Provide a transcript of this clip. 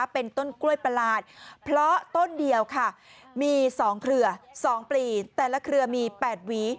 เป็นต้นกล้วยประหลาดเพราะต้นเดียวค่ะมีสองเปลี่ยนสองคลือแต่ละคลือมี๘วี